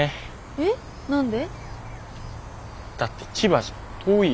えっ何で？